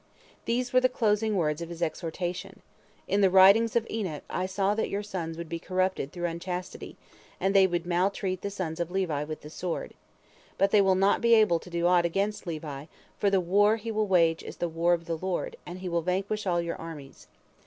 These were the closing words of his exhortation: "In the writings of Enoch I saw that your sons would be corrupted through unchastity, and they would maltreat the sons of Levi with the sword. But they will not be able to do aught against Levi, for the war he will wage is the war of the Lord, and he will vanquish all your armies.